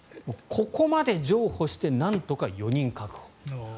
ここまで譲歩してなんとか４人確保。